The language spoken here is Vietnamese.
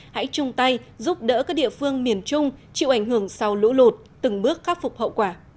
hãy chung tay giúp đỡ các địa phương miền trung chịu ảnh hưởng sau lũ lụt từng bước khắc phục hậu quả